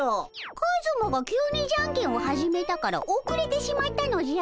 カズマが急にじゃんけんを始めたからおくれてしまったのじゃ。